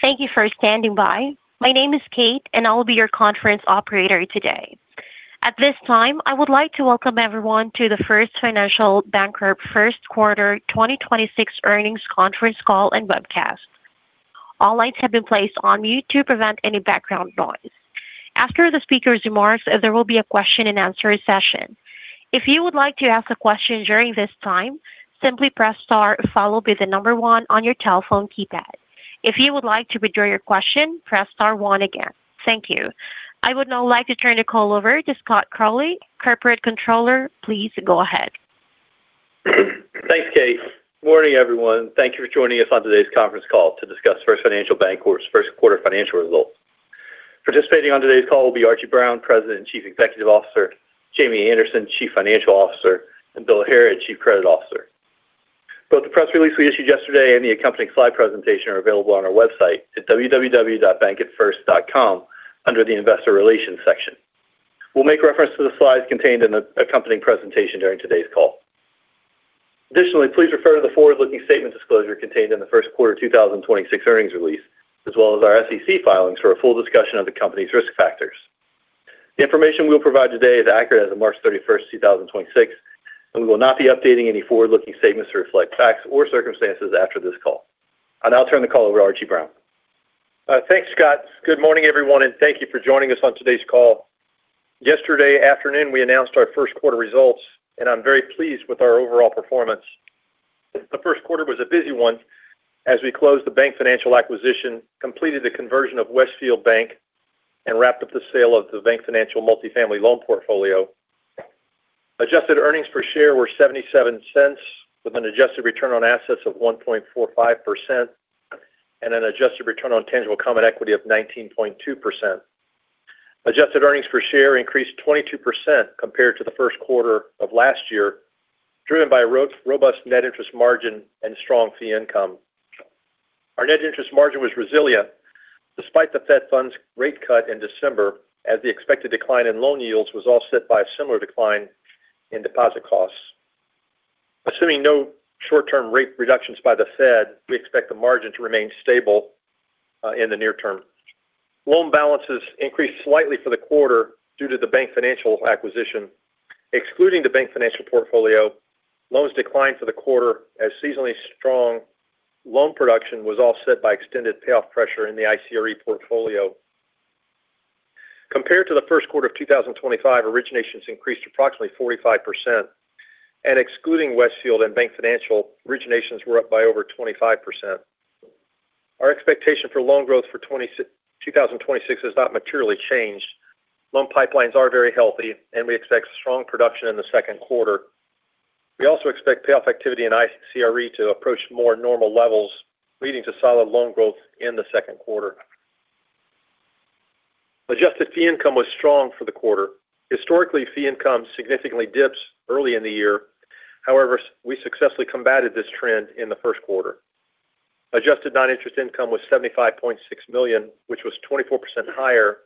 Thank you for standing by. My name is Kate, and I will be your conference operator today. At this time, I would like to welcome everyone to the First Financial Bancorp first quarter 2026 earnings conference call and webcast. All lines have been placed on mute to prevent any background noise. After the speaker's remarks, there will be a question and answer session. If you would like to ask a question during this time, simply press star followed by the number one on your telephone keypad. If you would like to withdraw your question, press star one again. Thank you. I would now like to turn the call over to Scott Crawley, Corporate Controller. Please go ahead. Thanks, Kate. Morning, everyone. Thank you for joining us on today's conference call to discuss First Financial Bancorp's first quarter financial results. Participating on today's call will be Archie Brown, President and Chief Executive Officer, Jamie Anderson, Chief Financial Officer, and Bill Harrod, Chief Credit Officer. Both the press release we issued yesterday and the accompanying slide presentation are available on our website at www.bankatfirst.com under the investor relations section. We'll make reference to the slides contained in the accompanying presentation during today's call. Additionally, please refer to the forward-looking statement disclosure contained in the first quarter 2026 earnings release, as well as our SEC filings for a full discussion of the company's risk factors. The information we'll provide today is accurate as of March 31st 2026, and we will not be updating any forward-looking statements to reflect facts or circumstances after this call. I'll now turn the call over to Archie Brown. Thanks, Scott. Good morning, everyone, and thank you for joining us on today's call. Yesterday afternoon, we announced our first quarter results, and I'm very pleased with our overall performance. The first quarter was a busy one as we closed the Bank Financial acquisition, completed the conversion of Westfield Bank, and wrapped up the sale of the Bank Financial multifamily loan portfolio. Adjusted earnings per share were $0.77, with an adjusted return on assets of 1.45% and an adjusted return on tangible common equity of 19.2%. Adjusted earnings per share increased 22% compared to the first quarter of last year, driven by a robust net interest margin and strong fee income. Our net interest margin was resilient despite the Fed funds rate cut in December, as the expected decline in loan yields was offset by a similar decline in deposit costs. Assuming no short-term rate reductions by the Fed, we expect the margin to remain stable in the near term. Loan balances increased slightly for the quarter due to the Bank Financial acquisition. Excluding the Bank Financial portfolio, loans declined for the quarter as seasonally strong loan production was offset by extended payoff pressure in the ICRE portfolio. Compared to the first quarter of 2025, originations increased approximately 45%, and excluding Westfield Bank and Bank Financial, originations were up by over 25%. Our expectation for loan growth for 2026 has not materially changed. Loan pipelines are very healthy, and we expect strong production in the second quarter. We also expect payoff activity in ICRE to approach more normal levels, leading to solid loan growth in the second quarter. Adjusted fee income was strong for the quarter. Historically, fee income significantly dips early in the year. However, we successfully combated this trend in the first quarter. Adjusted non-interest income was $75.6 million, which was 24% higher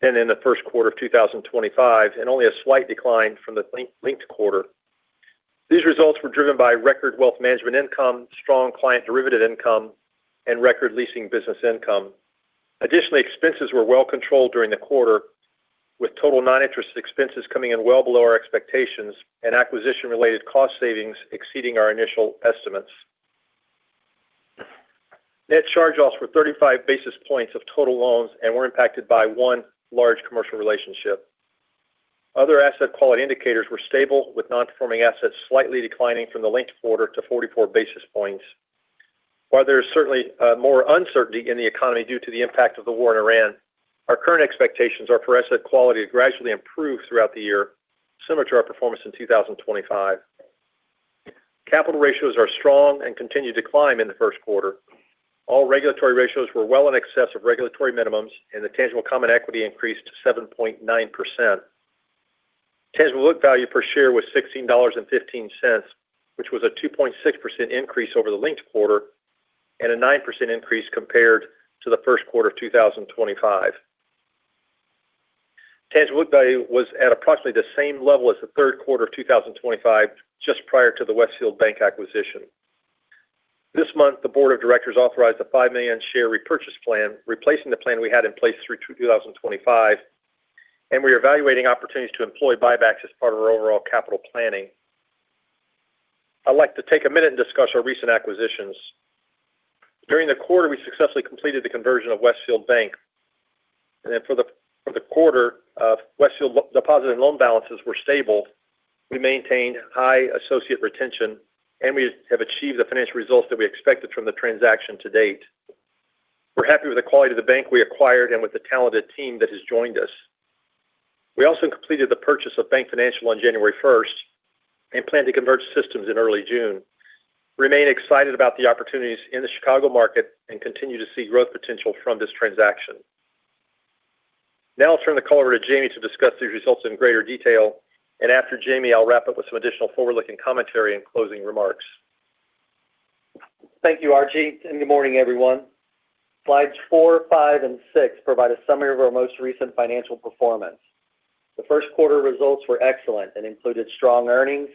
than in the first quarter of 2025 and only a slight decline from the linked quarter. These results were driven by record wealth management income, strong client derivative income, and record leasing business income. Additionally, expenses were well controlled during the quarter, with total non-interest expenses coming in well below our expectations and acquisition-related cost savings exceeding our initial estimates. Net charge-offs were 35 basis points of total loans and were impacted by one large commercial relationship. Other asset quality indicators were stable, with non-performing assets slightly declining from the linked quarter to 44 basis points. While there is certainly more uncertainty in the economy due to the impact of the war in Iran, our current expectations are for asset quality to gradually improve throughout the year, similar to our performance in 2025. Capital ratios are strong and continued to climb in the first quarter. All regulatory ratios were well in excess of regulatory minimums, and the tangible common equity increased to 7.9%. Tangible book value per share was $16.15, which was a 2.6% increase over the linked quarter and a 9% increase compared to the first quarter of 2025. Tangible book value was at approximately the same level as the third quarter of 2025, just prior to the Westfield Bank acquisition. This month, the board of directors authorized a $5 million share repurchase plan, replacing the plan we had in place through 2025, and we are evaluating opportunities to employ buybacks as part of our overall capital planning. I'd like to take a minute and discuss our recent acquisitions. During the quarter, we successfully completed the conversion of Westfield Bank. For the quarter, Westfield deposit and loan balances were stable. We maintained high associate retention, and we have achieved the financial results that we expected from the transaction to date. We're happy with the quality of the bank we acquired and with the talented team that has joined us. We also completed the purchase of Bank Financial on January 1st and plan to convert systems in early June. We remain excited about the opportunities in the Chicago market and continue to see growth potential from this transaction. Now I'll turn the call over to Jamie to discuss these results in greater detail, and after Jamie, I'll wrap up with some additional forward-looking commentary and closing remarks. Thank you, Archie, and good morning, everyone. Slides four, five, and six provide a summary of our most recent financial performance. The first quarter results were excellent and included strong earnings,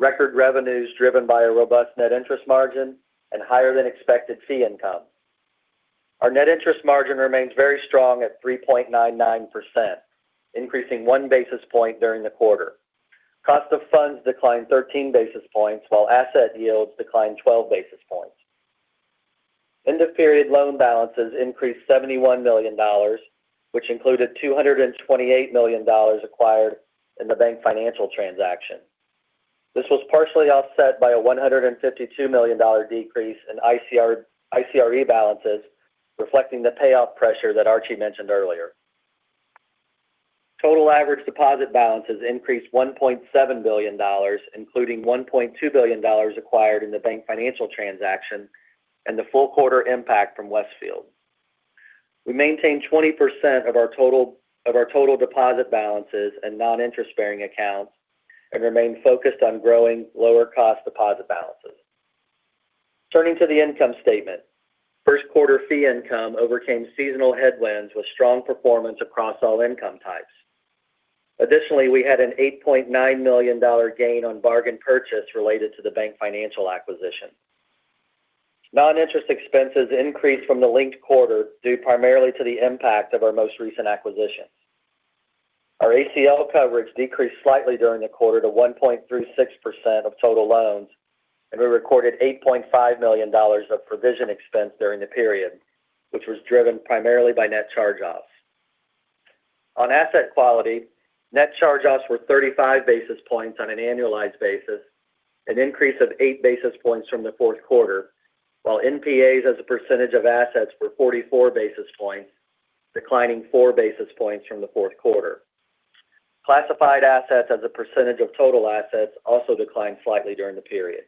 record revenues driven by a robust net interest margin, and higher than expected fee income. Our net interest margin remains very strong at 3.99%, increasing 1 basis point during the quarter. Cost of funds declined 13 basis points while asset yields declined 12 basis points. End-of-period loan balances increased $71 million, which included $228 million acquired in the Bank Financial transaction. This was partially offset by a $152 million decrease in ICRE balances, reflecting the payoff pressure that Archie mentioned earlier. Total average deposit balances increased $1.7 billion, including $1.2 billion acquired in the Bank Financial transaction and the full quarter impact from Westfield. We maintained 20% of our total deposit balances in non-interest-bearing accounts and remain focused on growing lower cost deposit balances. Turning to the income statement. First quarter fee income overcame seasonal headwinds with strong performance across all income types. Additionally, we had an $8.9 million gain on bargain purchase related to the Bank Financial acquisition. Non-interest expenses increased from the linked quarter, due primarily to the impact of our most recent acquisitions. Our ACL coverage decreased slightly during the quarter to 1.36% of total loans, and we recorded $8.5 million of provision expense during the period, which was driven primarily by net charge-offs. On asset quality, net charge-offs were 35 basis points on an annualized basis, an increase of 8 basis points from the fourth quarter, while NPAs as a percentage of assets were 44 basis points, declining 4 basis points from the fourth quarter. Classified assets as a percentage of total assets also declined slightly during the period.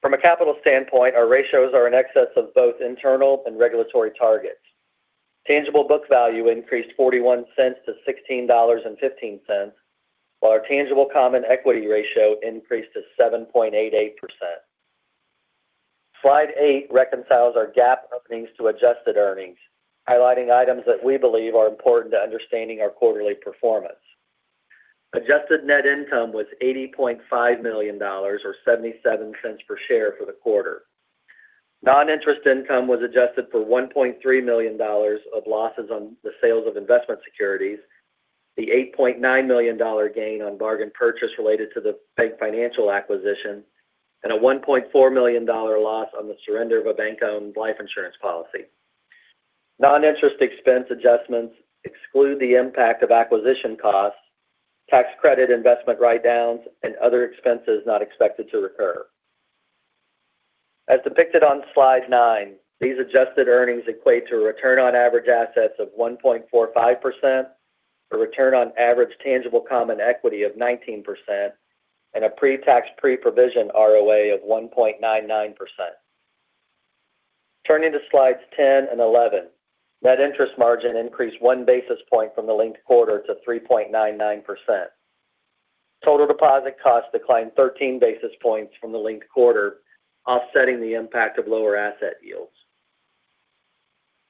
From a capital standpoint, our ratios are in excess of both internal and regulatory targets. Tangible book value increased $0.41 to $16.15, while our tangible common equity ratio increased to 7.88%. Slide eight reconciles our GAAP earnings to adjusted earnings, highlighting items that we believe are important to understanding our quarterly performance. Adjusted net income was $80.5 million, or $0.77 per share for the quarter. Non-interest income was adjusted for $1.3 million of losses on the sales of investment securities, the $8.9 million gain on bargain purchase related to the Bank Financial acquisition, and a $1.4 million loss on the surrender of a bank-owned life insurance policy. Non-interest expense adjustments exclude the impact of acquisition costs, tax credit investment write-downs, and other expenses not expected to recur. As depicted on Slide nine, these adjusted earnings equate to a return on average assets of 1.45%, a return on average tangible common equity of 19%, and a pre-tax, pre-provision ROA of 1.99%. Turning to slides 10 and 11. Net interest margin increased one basis point from the linked quarter to 3.99%. Total deposit costs declined 13 basis points from the linked quarter, offsetting the impact of lower asset yields.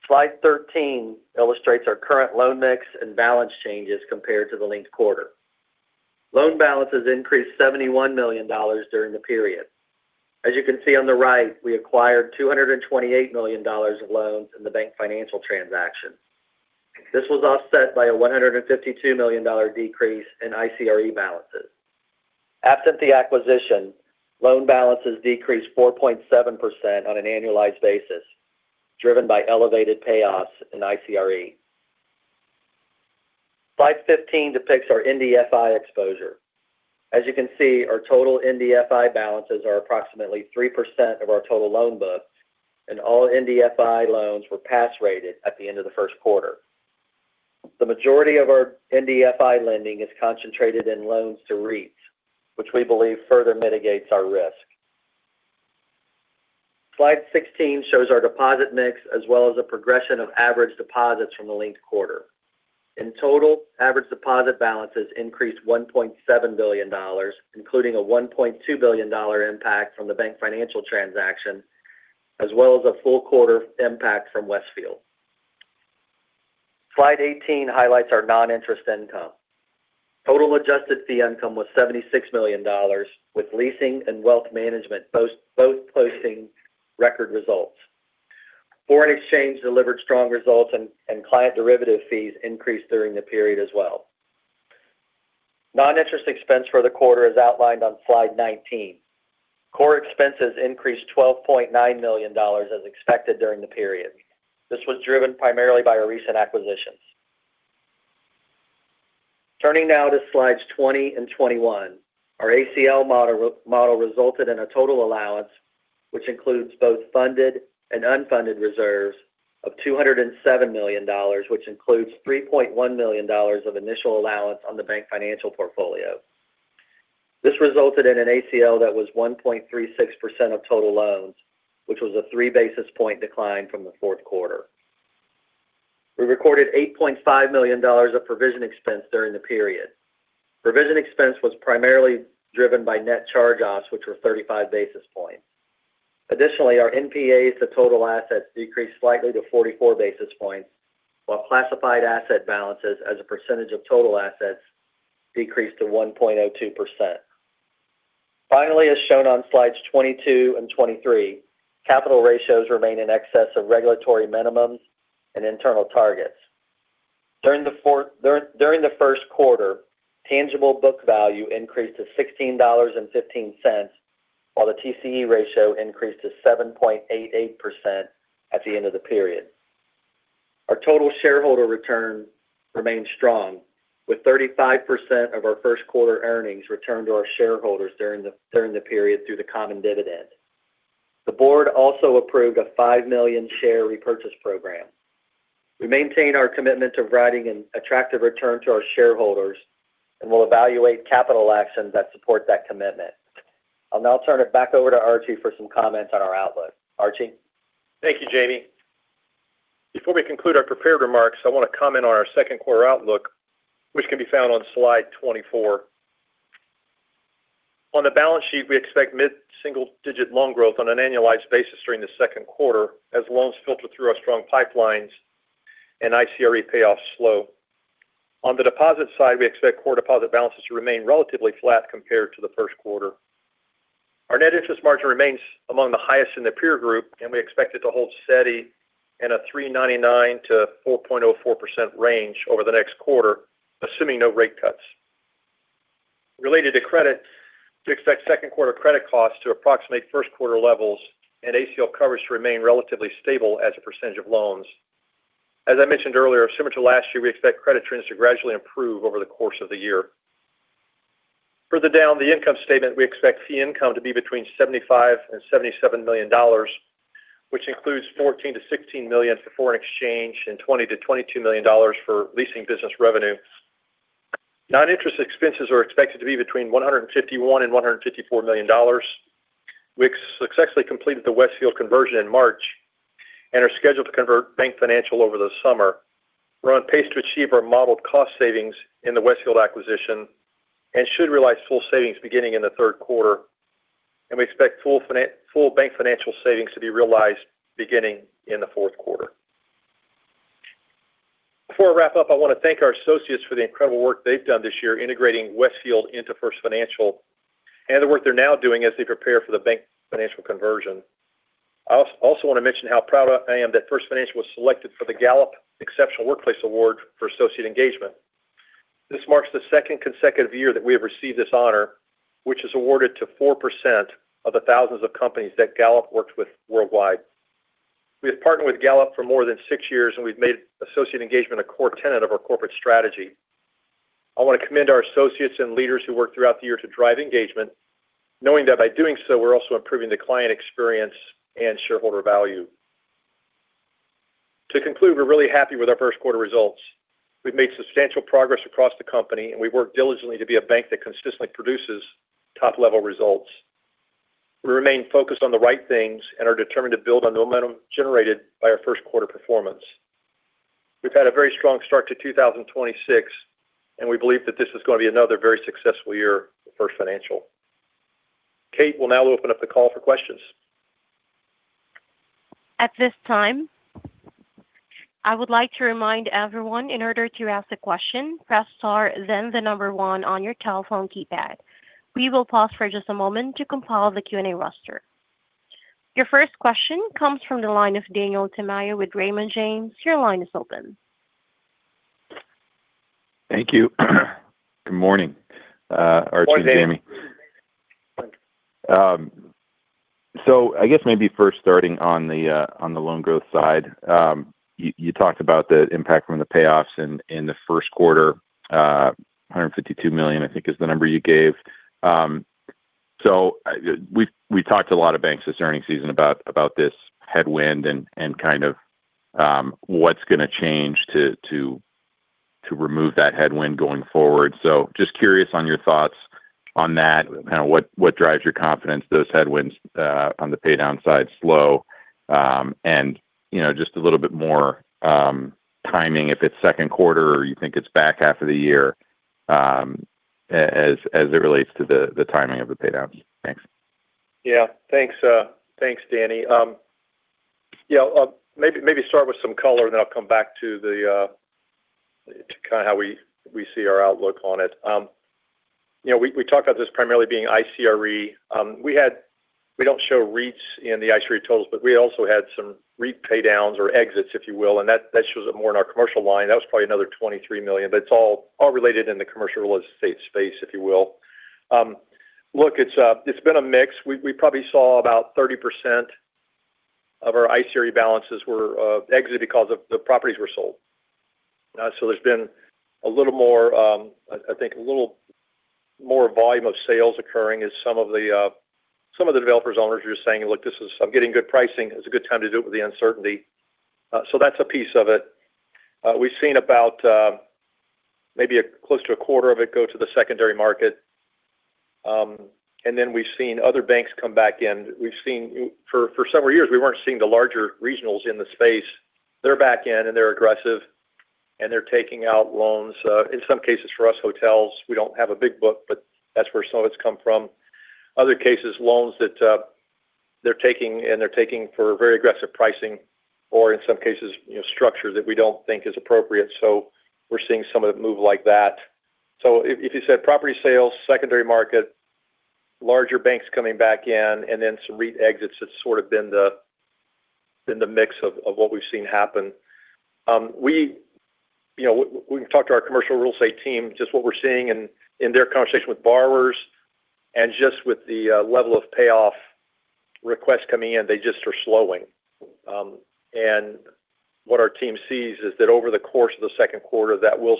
Slide 13 illustrates our current loan mix and balance changes compared to the linked quarter. Loan balances increased $71 million during the period. As you can see on the right, we acquired $228 million of loans in the Bank Financial transaction. This was offset by a $152 million decrease in ICRE balances. Absent the acquisition, loan balances decreased 4.7% on an annualized basis, driven by elevated payoffs in ICRE. Slide 15 depicts our MDI exposure. As you can see, our total MDI balances are approximately 3% of our total loan book, and all MDI loans were pass rated at the end of the first quarter. The majority of our MDI lending is concentrated in loans to REITs, which we believe further mitigates our risk. Slide 16 shows our deposit mix, as well as the progression of average deposits from the linked quarter. In total, average deposit balances increased $1.7 billion, including a $1.2 billion impact from the Bank Financial transaction, as well as a full quarter impact from Westfield. Slide 18 highlights our non-interest income. Total adjusted fee income was $76 million, with leasing and wealth management both posting record results. Foreign exchange delivered strong results, and client derivative fees increased during the period as well. Non-interest expense for the quarter is outlined on slide 19. Core expenses increased $12.9 million as expected during the period. This was driven primarily by our recent acquisitions. Turning now to slides 20 and 21. Our ACL model resulted in a total allowance, which includes both funded and unfunded reserves of $207 million, which includes $3.1 million of initial allowance on the Bank Financial portfolio. This resulted in an ACL that was 1.36% of total loans, which was a 3 basis points decline from the fourth quarter. We recorded $8.5 million of provision expense during the period. Provision expense was primarily driven by net charge-offs, which were 35 basis points. Additionally, our NPAs to total assets decreased slightly to 44 basis points, while classified asset balances as a percentage of total assets decreased to 1.02%. Finally, as shown on slides 22 and 23, capital ratios remain in excess of regulatory minimums and internal targets. During the first quarter, tangible book value increased to $16.15, while the TCE ratio increased to 7.88% at the end of the period. Our total shareholder return remained strong, with 35% of our first quarter earnings returned to our shareholders during the period through the common dividend. The board also approved a $5 million share repurchase program. We maintain our commitment to providing an attractive return to our shareholders and will evaluate capital actions that support that commitment. I'll now turn it back over to Archie for some comments on our outlook. Archie? Thank you, Jamie. Before we conclude our prepared remarks, I want to comment on our second quarter outlook, which can be found on slide 24. On the balance sheet, we expect mid-single digit loan growth on an annualized basis during the second quarter as loans filter through our strong pipelines and ICRE payoffs slow. On the deposit side, we expect core deposit balances to remain relatively flat compared to the first quarter. Our net interest margin remains among the highest in the peer group, and we expect it to hold steady in a 3.99%-4.04% range over the next quarter, assuming no rate cuts. Related to credit, we expect second quarter credit costs to approximate first quarter levels and ACL coverage to remain relatively stable as a percentage of loans. As I mentioned earlier, similar to last year, we expect credit trends to gradually improve over the course of the year. Further down the income statement, we expect fee income to be between $75 million-$77 million, which includes $14 million-$16 million for foreign exchange and $20 million-$22 million for leasing business revenue. Non-interest expenses are expected to be between $151 million-$154 million. We successfully completed the Westfield conversion in March and are scheduled to convert Bank Financial over the summer. We're on pace to achieve our modeled cost savings in the Westfield acquisition and should realize full savings beginning in the third quarter, and we expect full Bank Financial savings to be realized beginning in the fourth quarter. Before I wrap up, I want to thank our associates for the incredible work they've done this year integrating Westfield into First Financial and the work they're now doing as they prepare for the Bank Financial conversion. I also want to mention how proud I am that First Financial was selected for the Gallup Exceptional Workplace Award for Associate Engagement. This marks the second consecutive year that we have received this honor, which is awarded to 4% of the thousands of companies that Gallup works with worldwide. We have partnered with Gallup for more than six years, and we've made associate engagement a core tenet of our corporate strategy. I want to commend our associates and leaders who work throughout the year to drive engagement, knowing that by doing so, we're also improving the client experience and shareholder value. To conclude, we're really happy with our first quarter results. We've made substantial progress across the company, and we've worked diligently to be a bank that consistently produces top-level results. We remain focused on the right things and are determined to build on the momentum generated by our first quarter performance. We've had a very strong start to 2026, and we believe that this is going to be another very successful year for First Financial. Kate will now open up the call for questions. At this time, I would like to remind everyone in order to ask a question, press star then the number one on your telephone keypad. We will pause for just a moment to compile the Q&A roster. Your first question comes from the line of Daniel Tamayo with Raymond James. Your line is open. Thank you. Good morning, Archie and Jamie. Good morning, Daniel. I guess maybe first starting on the loan growth side. You talked about the impact from the payoffs in the first quarter. $152 million, I think is the number you gave. We talked to a lot of banks this earnings season about this headwind and kind of what's going to change to remove that headwind going forward. Just curious on your thoughts on that. What drives your confidence those headwinds on the pay down side slow, and just a little bit more timing, if it's second quarter or you think it's back half of the year as it relates to the timing of the pay downs. Thanks. Yeah. Thanks, Danny. Maybe start with some color, then I'll come back to kind of how we see our outlook on it. We talked about this primarily being ICRE. We don't show REITs in the ICRE totals, but we also had some REIT pay downs or exits, if you will, and that shows up more in our commercial line. That was probably another $23 million, but it's all related in the commercial real estate space, if you will. Look, it's been a mix. We probably saw about 30% of our ICRE balances were exited because the properties were sold. There's been, I think, a little more volume of sales occurring as some of the developers/owners are saying, "Look, I'm getting good pricing. It's a good time to do it with the uncertainty." That's a piece of it. We've seen about maybe close to a quarter of it go to the secondary market, and then we've seen other banks come back in. For several years, we weren't seeing the larger regionals in the space. They're back in and they're aggressive. They're taking out loans. In some cases for us, hotels, we don't have a big book, but that's where some of it's come from. Other cases, loans that they're taking, and they're taking for very aggressive pricing or in some cases, structures that we don't think is appropriate. We're seeing some of it move like that. If you said property sales, secondary market, larger banks coming back in, and then some REIT exits, that's sort of been the mix of what we've seen happen. We've talked to our commercial real estate team, just what we're seeing and in their conversation with borrowers and just with the level of payoff requests coming in, they just are slowing. What our team sees is that over the course of the second quarter, that will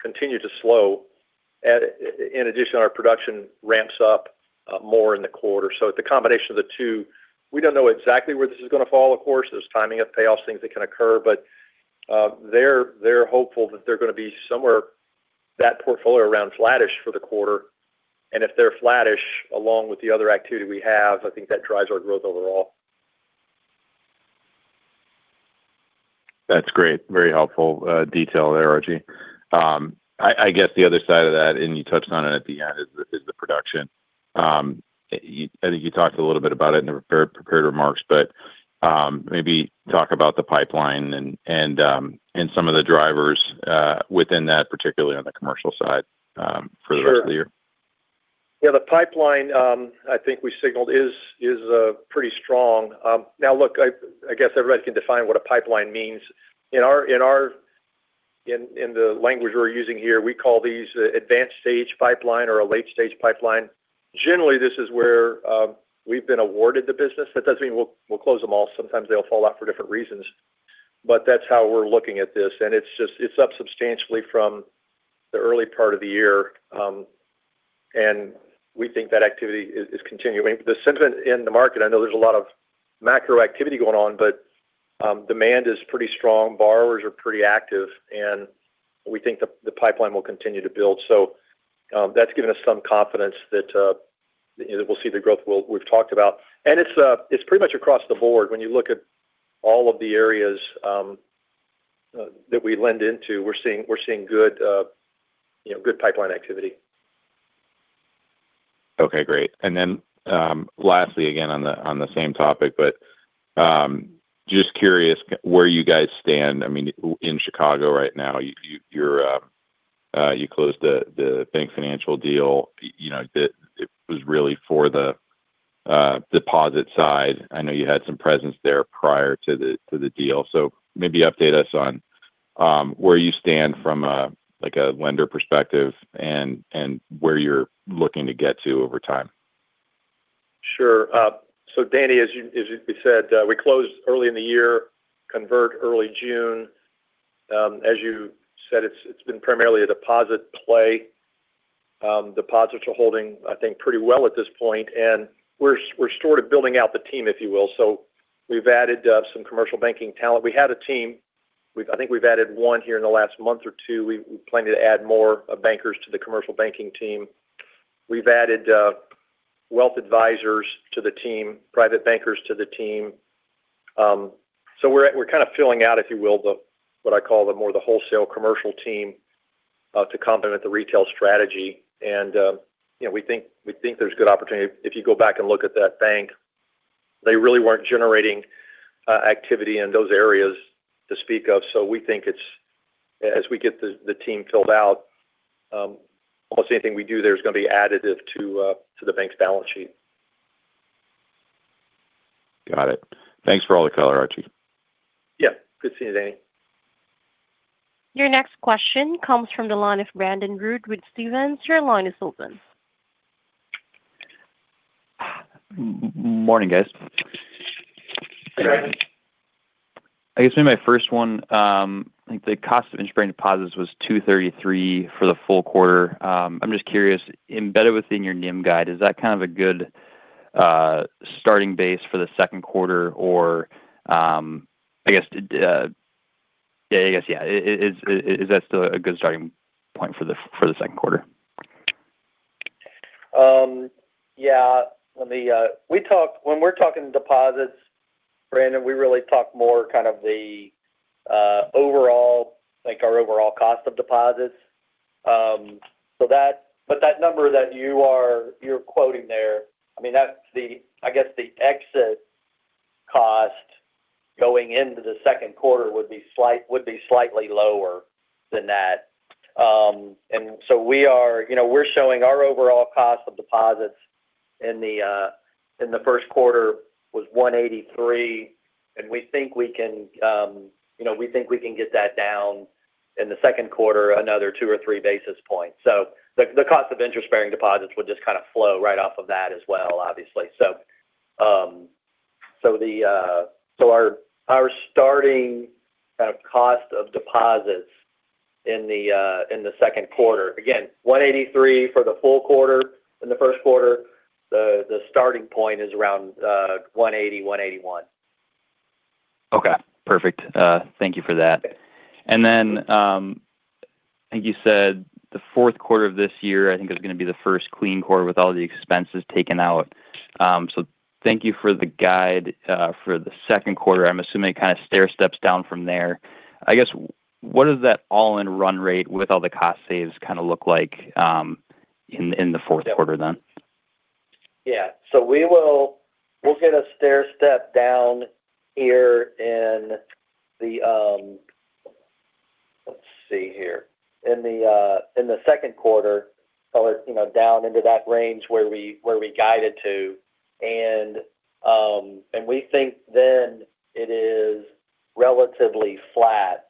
continue to slow. In addition, our production ramps up more in the quarter. It's a combination of the two. We don't know exactly where this is going to fall, of course. There's timing of payoffs, things that can occur, but they're hopeful that they're going to be somewhere that portfolio around flattish for the quarter. If they're flattish, along with the other activity we have, I think that drives our growth overall. That's great. Very helpful detail there, Archie. I guess the other side of that, and you touched on it at the end, is the production. I think you talked a little bit about it in the prepared remarks, but maybe talk about the pipeline and some of the drivers within that, particularly on the commercial side for the rest of the year. Sure. Yeah, the pipeline, I think we signaled is pretty strong. Now look, I guess everybody can define what a pipeline means. In the language we're using here, we call these advanced stage pipeline or a late-stage pipeline. Generally, this is where we've been awarded the business. That doesn't mean we'll close them all. Sometimes they'll fall out for different reasons. That's how we're looking at this. It's up substantially from the early part of the year. We think that activity is continuing. The sentiment in the market, I know there's a lot of macro activity going on, but demand is pretty strong. Borrowers are pretty active, and we think the pipeline will continue to build. That's given us some confidence that we'll see the growth we've talked about. It's pretty much across the board. When you look at all of the areas that we lend into, we're seeing good pipeline activity. Okay, great. Lastly, again, on the same topic, but just curious where you guys stand. In Chicago right now, you closed the Bank Financial deal. It was really for the deposit side. I know you had some presence there prior to the deal. Maybe update us on where you stand from a lender perspective and where you're looking to get to over time. Sure. Daniel, as you said, we closed early in the year, conversion early June. As you said, it's been primarily a deposit play. Deposits are holding, I think, pretty well at this point. We're sort of building out the team, if you will. We've added some commercial banking talent. We had a team. I think we've added one here in the last month or two. We plan to add more bankers to the commercial banking team. We've added wealth advisors to the team, private bankers to the team. We're kind of filling out, if you will, what I call more the wholesale commercial team to complement the retail strategy. We think there's good opportunity. If you go back and look at that bank, they really weren't generating activity in those areas to speak of. We think as we get the team filled out, almost anything we do there is going to be additive to the bank's balance sheet. Got it. Thanks for all the color, Archie. Yeah. Good seeing you, Danny. Your next question comes from the line of Brandon Rud with Stephens. Your line is open. Morning, guys. Good morning. I guess maybe my first one, I think the cost of interest-bearing deposits was 233 for the full quarter. I'm just curious, embedded within your NIM guide, is that kind of a good starting base for the second quarter, or I guess, yeah. Is that still a good starting point for the second quarter? Yeah. When we're talking deposits, Brandon, we really talk more kind of our overall cost of deposits. That number that you're quoting there, I guess the exit cost going into the second quarter would be slightly lower than that. We're showing our overall cost of deposits in the first quarter was 183, and we think we can get that down in the second quarter another two or 3 basis points. The cost of interest-bearing deposits would just kind of flow right off of that as well, obviously. Our starting kind of cost of deposits in the second quarter, again, 183 for the full quarter. In the first quarter, the starting point is around 180, 181. Okay, perfect. Thank you for that. I think you said the fourth quarter of this year, I think is going to be the first clean quarter with all the expenses taken out. Thank you for the guide for the second quarter. I'm assuming kind of stairsteps down from there. I guess, what does that all-in run rate with all the cost saves kind of look like in the fourth quarter then? Yeah. We'll get a stairstep down here. In the second quarter, call it, down into that range where we guided to. We think then it is relatively flat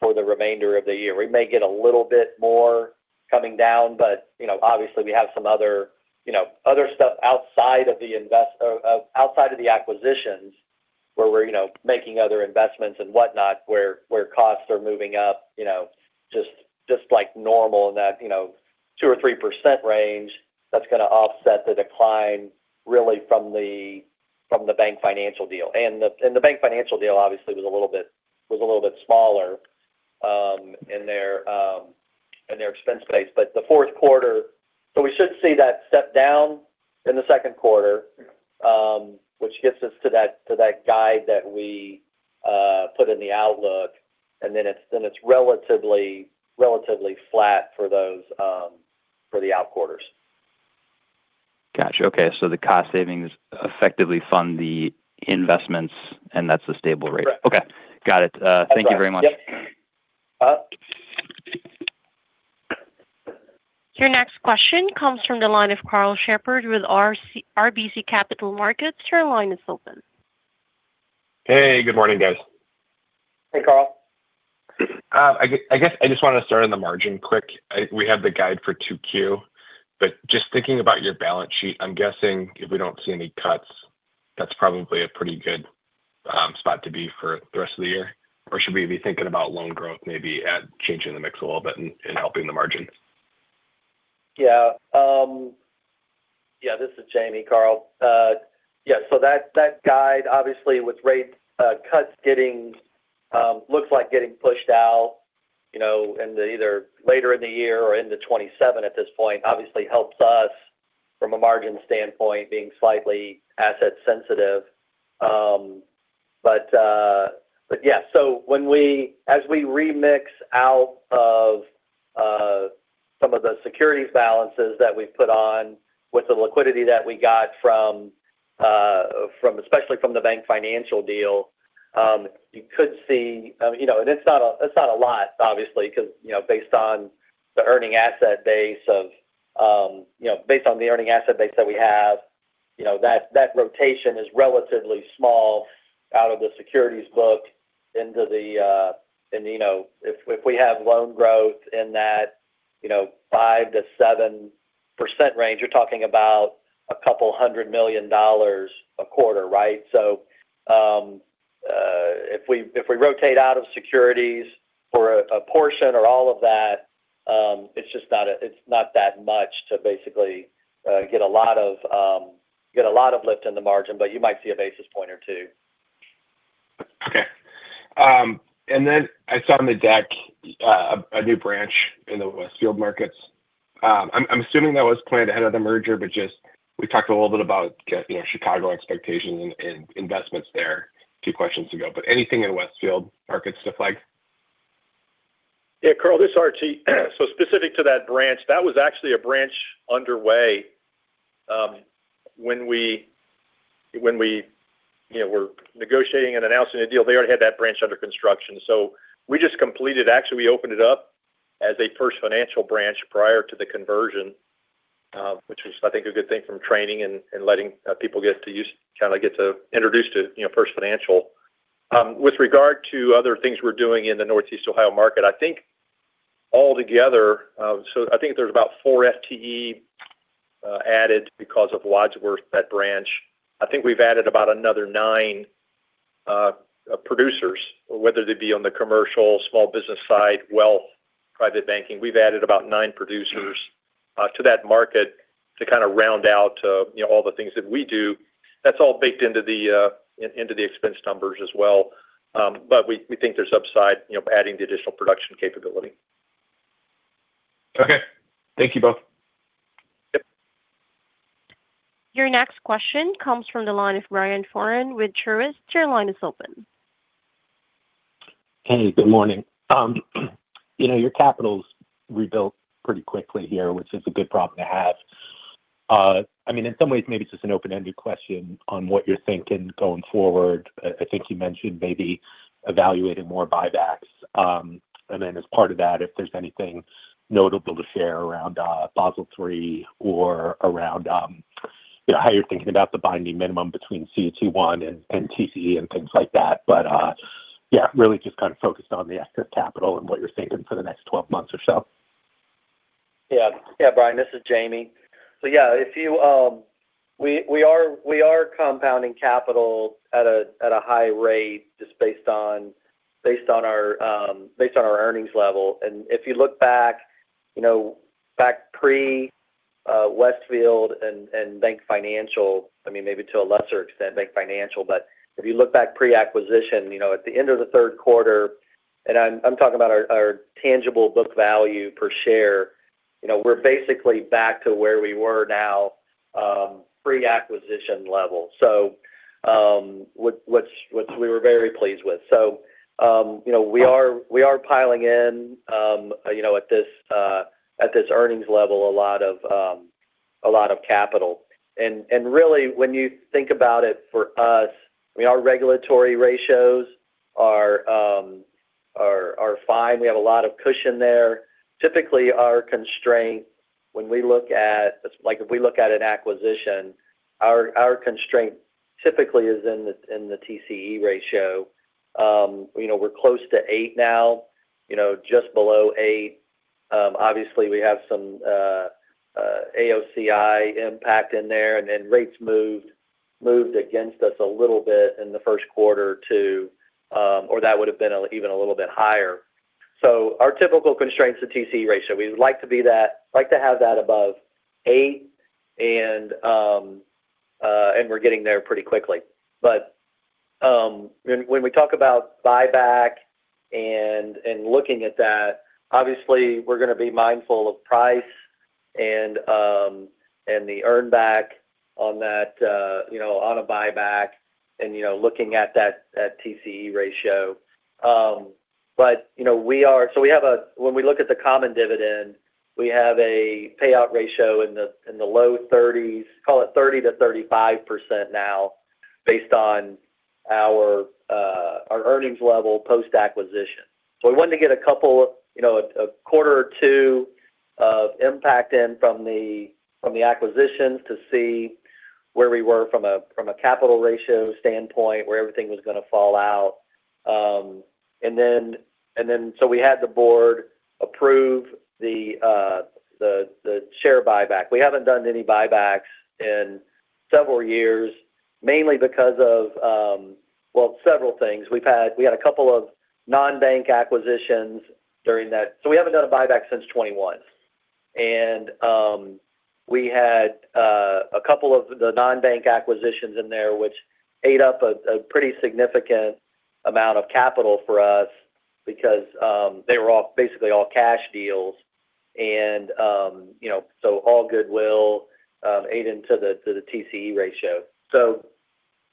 for the remainder of the year. We may get a little bit more coming down, but obviously we have some other stuff outside of the acquisitions where we're making other investments and whatnot, where costs are moving up, just like normal in that 2% or 3% range. That's going to offset the decline really from the Bank Financial deal. The Bank Financial deal obviously was a little bit smaller in their expense base. The fourth quarter, we should see that step down in the second quarter, which gets us to that guide that we put in the outlook. Then it's relatively flat for the out quarters. Got you. Okay. The cost savings effectively fund the investments, and that's the stable rate. Correct. Okay. Got it. Thank you very much. Yes. Your next question comes from the line of Karl Shepard with RBC Capital Markets. Your line is open. Hey, good morning, guys. Hey, Karl. I guess I just want to start on the margin quick. We have the guidance for 2Q, but just thinking about your balance sheet, I'm guessing if we don't see any cuts, that's probably a pretty good spot to be for the rest of the year. Or should we be thinking about loan growth maybe at changing the mix a little bit and helping the margin? This is Jamie, Karl. That guide, obviously, with rate cuts looks like getting pushed out, and either later in the year or into 2027 at this point, obviously helps us from a margin standpoint, being slightly asset sensitive. As we remix out of some of the securities balances that we've put on with the liquidity that we got especially from the Bank Financial deal, you could see, and it's not a lot, obviously, because based on the earning asset base that we have, that rotation is relatively small out of the securities book into the, if we have loan growth in that 5%-7% range, you're talking about a couple $100 million a quarter, right? If we rotate out of securities for a portion or all of that, it's not that much to basically get a lot of lift in the margin. You might see a basis point or two. Okay. I saw on the deck a new branch in the Westfield markets. I'm assuming that was planned ahead of the merger, but just, we talked a little bit about Chicago expectations and investments there a few questions ago, but anything in Westfield markets to flag? Yeah, Karl, this is Archie. Specific to that branch, that was actually a branch underway. When we were negotiating and announcing the deal, they already had that branch under construction. We just completed, actually, we opened it up as a First Financial branch prior to the conversion, which was, I think, a good thing from training and letting people get to introduced to First Financial. With regard to other things we're doing in the Northeast Ohio market, I think all together, I think there's about four FTE added because of Wadsworth, that branch. I think we've added about another nine producers, whether they be on the commercial, small business side, wealth, private banking. We've added about nine producers to that market to kind of round out all the things that we do. That's all baked into the expense numbers as well. We think there's upside adding the additional production capability. Okay. Thank you both. Yep. Your next question comes from the line of Brian Foran with Truist. Your line is open. Hey, good morning. Your capital's rebuilt pretty quickly here, which is a good problem to have. In some ways, maybe it's just an open-ended question on what you're thinking going forward. I think you mentioned maybe evaluating more buybacks. And then as part of that, if there's anything notable to share around Basel III or around how you're thinking about the binding minimum between CET1 and TCE and things like that. Yeah, really just kind of focused on the excess capital and what you're thinking for the next 12 months or so. Yeah, Brian, this is Jamie Anderson. Yeah. We are compounding capital at a high rate just based on our earnings level. If you look back pre-Westfield and Bank Financial, maybe to a lesser extent, Bank Financial. If you look back pre-acquisition, at the end of the third quarter, and I'm talking about our tangible book value per share, we're basically back to where we were now, pre-acquisition level. Which we were very pleased with. We are piling in at this earnings level, a lot of capital. Really, when you think about it for us, our regulatory ratios are fine. We have a lot of cushion there. Typically, our constraint when we look at an acquisition, our constraint typically is in the TCE ratio. We're close to eight now, just below eight. Obviously, we have some AOCI impact in there. Then rates moved against us a little bit in the first quarter, too, or that would've been even a little bit higher. Our typical constraint's the TCE ratio. We'd like to have that above eight, and we're getting there pretty quickly. When we talk about buyback and looking at that, obviously we're going to be mindful of price and the earn back on a buyback and looking at that TCE ratio. When we look at the common dividend, we have a payout ratio in the low 30s, call it 30%-35% now based on our earnings level post-acquisition. We wanted to get a quarter or two of impact in from the acquisitions to see where we were from a capital ratio standpoint, where everything was going to fall out. We had the board approve the share buyback. We haven't done any buybacks in several years, mainly because of, well, several things. We had a couple of non-bank acquisitions during that. We haven't done a buyback since 2021. We had a couple of the non-bank acquisitions in there, which ate up a pretty significant amount of capital for us because they were basically all cash deals. All goodwill ate into the TCE ratio.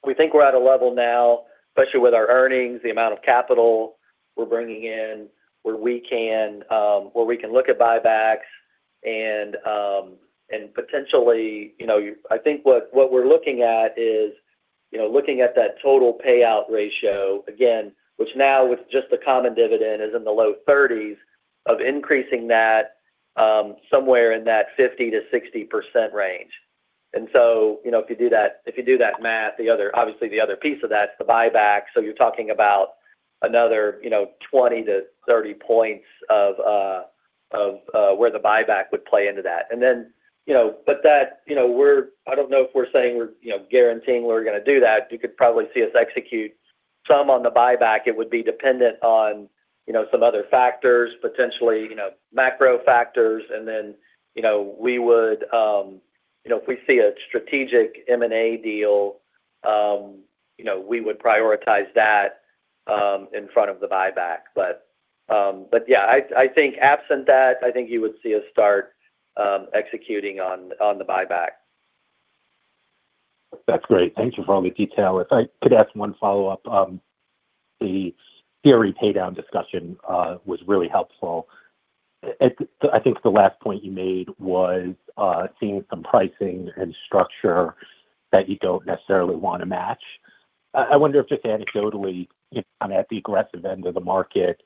We think we're at a level now, especially with our earnings, the amount of capital we're bringing in, where we can look at buybacks and potentially, I think what we're looking at is, looking at that total payout ratio, again, which now with just the common dividend is in the low 30s, of increasing that somewhere in that 50%-60% range. If you do that math, obviously the other piece of that's the buyback. You're talking about another 20-30 points of where the buyback would play into that. I don't know if we're saying we're guaranteeing we're going to do that. You could probably see us execute some on the buyback. It would be dependent on some other factors, potentially macro factors. If we see a strategic M&A deal, we would prioritize that in front of the buyback. Yeah, I think absent that, I think you would see us start executing on the buyback. That's great. Thanks for all the detail. If I could ask one follow-up. The theory pay down discussion was really helpful. I think the last point you made was seeing some pricing and structure that you don't necessarily want to match. I wonder if, just anecdotally, if I'm at the aggressive end of the market,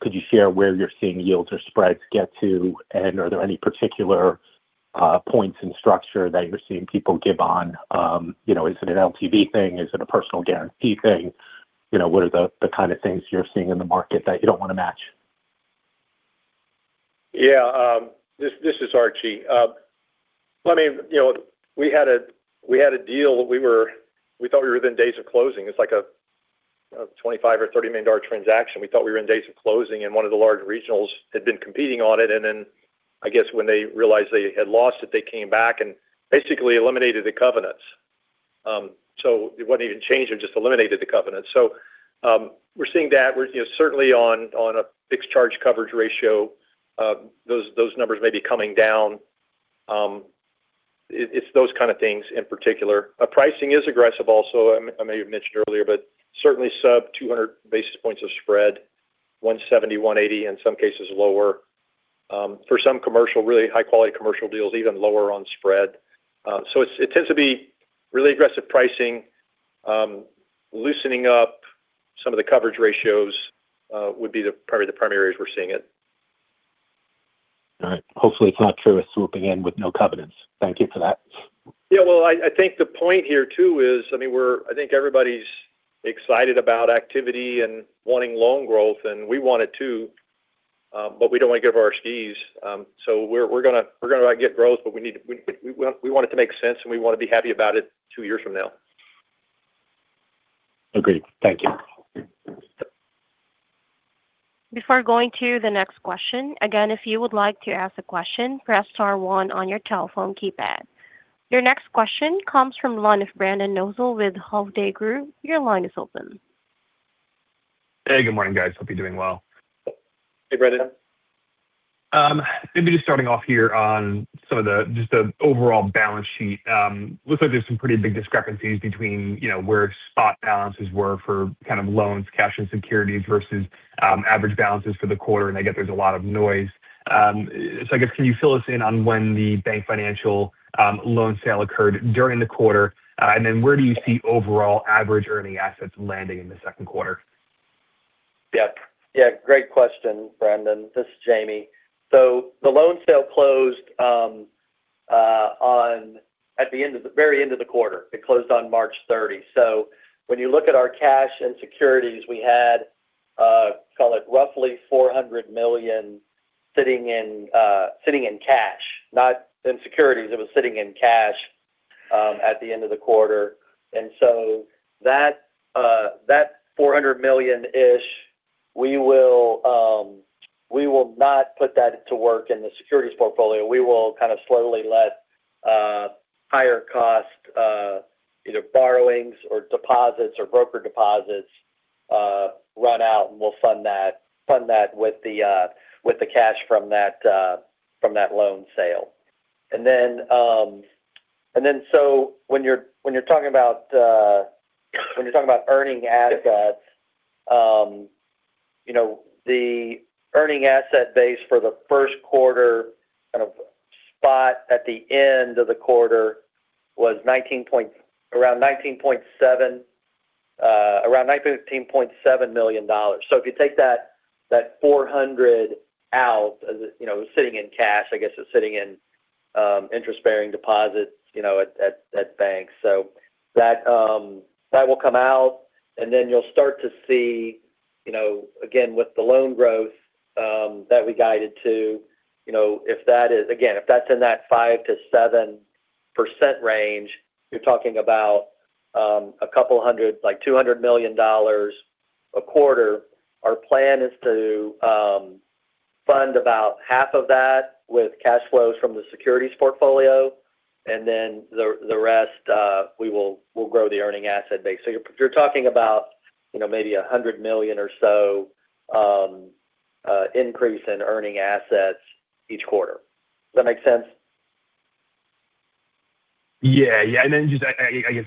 could you share where you're seeing yields or spreads get to, and are there any particular points in structure that you're seeing people give on? Is it an LTV thing? Is it a personal guarantee thing? What are the kind of things you're seeing in the market that you don't want to match? Yeah. This is Archie. We had a deal. We thought we were within days of closing. It's like a $25 million or $30 million transaction. We thought we were in days of closing, and one of the large regionals had been competing on it. I guess when they realized they had lost it, they came back and basically eliminated the covenants. It wasn't even changed. It just eliminated the covenants. We're seeing that. Certainly on a fixed charge coverage ratio, those numbers may be coming down. It's those kind of things in particular. Pricing is aggressive also. I may have mentioned earlier, but certainly sub 200 basis points of spread, 170, 180, in some cases lower. For some commercial, really high-quality commercial deals, even lower on spread. It tends to be really aggressive pricing. Loosening up some of the coverage ratios would be probably the primary areas we're seeing it. All right. Hopefully it's not through a swoop in with no covenants. Thank you for that. Yeah. Well, I think the point here too is, I think everybody's excited about activity and wanting loan growth, and we want it, too, but we don't want to give up our skis. We're going to get growth, but we want it to make sense, and we want to be happy about it two years from now. Agreed. Thank you. Before going to the next question, again, if you would like to ask a question, press star one on your telephone keypad. Your next question comes from the line of Brendan Nosal with Hovde Group. Your line is open. Hey, good morning, guys. Hope you're doing well. Hey, Brendan. Maybe just starting off here on just the overall balance sheet. Looks like there's some pretty big discrepancies between where spot balances were for kind of loans, cash, and securities versus average balances for the quarter, and I get there's a lot of noise. I guess, can you fill us in on when the Bank Financial loan sale occurred during the quarter? And then where do you see overall average earning assets landing in the second quarter? Yeah. Great question, Brendan. This is Jamie. The loan sale closed at the very end of the quarter. It closed on March 30. When you look at our cash and securities, we had, call it, roughly $400 million sitting in cash, not in securities. It was sitting in cash at the end of the quarter. That $400 million-ish, we will not put that to work in the securities portfolio. We will kind of slowly let higher cost either borrowings or deposits or broker deposits run out, and we'll fund that with the cash from that loan sale. When you're talking about earning assets, the earning asset base for the first quarter kind of spot at the end of the quarter was around $19.7 million. If you take that 400 out, as it was sitting in cash. I guess it's sitting in interest-bearing deposits at banks. That will come out and then you'll start to see, again, with the loan growth that we guided to. Again, if that's in that 5%-7% range, you're talking about a couple of hundred, like $200 million a quarter. Our plan is to fund about half of that with cash flows from the securities portfolio. Then the rest, we will grow the earning asset base. You're talking about maybe a $100 million or so increase in earning assets each quarter. Does that make sense? Yeah. Just, I guess,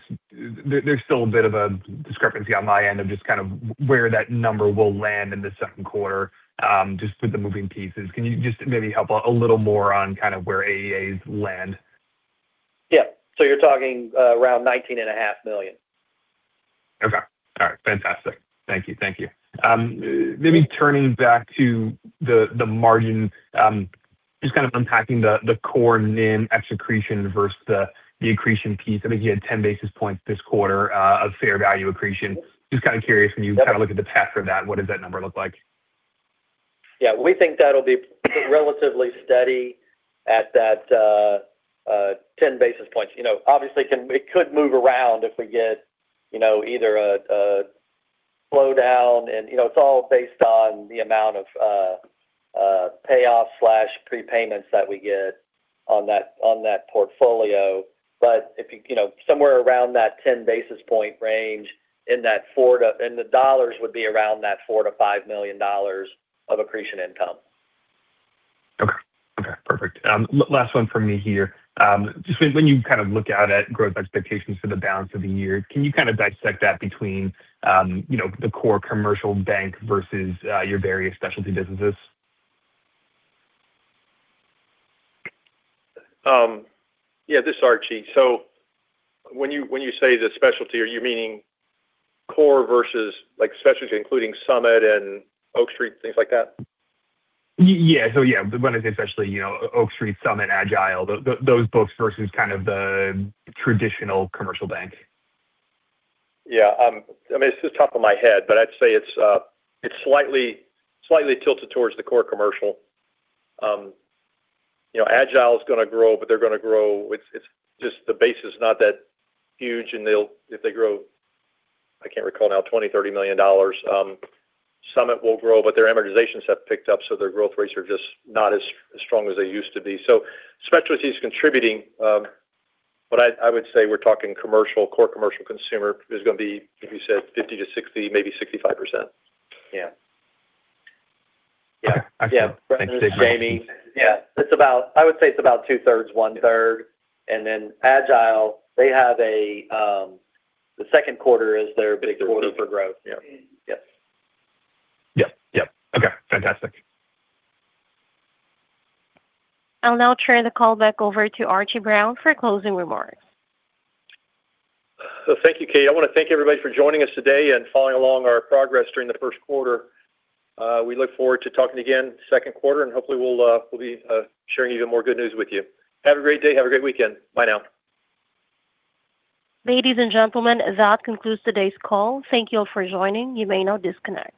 there's still a bit of a discrepancy on my end of just kind of where that number will land in the second quarter, just with the moving pieces. Can you just maybe help out a little more on kind of where AEAs land? Yeah. You're talking around $19.5 million. Okay. All right. Fantastic. Thank you. Maybe turning back to the margin, just kind of unpacking the core NIM ex-accretion versus the accretion piece. I think you had 10 basis points this quarter of fair value accretion. Just kind of curious when you kind of look at the path for that, what does that number look like? Yeah. We think that'll be relatively steady at that 10 basis points. Obviously, it could move around if we get either a slowdown, and it's all based on the amount of payoff/prepayments that we get on that portfolio. Somewhere around that 10 basis points range in that four to, and the dollars would be around that $4 million-$5 million of accretion income. Okay. Perfect. Last one from me here. Just when you kind of look out at growth expectations for the balance of the year, can you kind of dissect that between the core commercial bank versus your various specialty businesses? Yeah, this is Archie. When you say the specialty, are you meaning core versus like specialty including Summit and Oak Street, things like that? Yeah. When I say specialty, Oak Street, Summit, Agile, those folks versus kind of the traditional commercial bank. Yeah. It's just off the top of my head, but I'd say it's slightly tilted towards the core commercial. Agile is going to grow, but they're going to grow, it's just the base is not that huge and if they grow, I can't recall now, $20 million-$30 million. Summit will grow, but their amortizations have picked up, so their growth rates are just not as strong as they used to be. Specialty is contributing. I would say we're talking commercial, core commercial consumer is going to be, if you said 50%-60%, maybe 65%. Yeah. Okay. Excellent. Thanks. Yeah. This is Jamie. Yeah. I would say it's about two-thirds, one-third. Then Agile, the second quarter is their big quarter for growth. Yep. Yes. Yep. Okay. Fantastic. I'll now turn the call back over to Archie Brown for closing remarks. Thank you, Kate. I want to thank everybody for joining us today and following along our progress during the first quarter. We look forward to talking again second quarter, and hopefully we'll be sharing even more good news with you. Have a great day. Have a great weekend. Bye now. Ladies and gentlemen, that concludes today's call. Thank you all for joining. You may now disconnect.